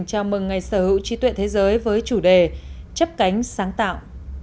chào mừng ngày sở hữu trí tuệ thế giới với chủ đề chấp cánh sáng tạo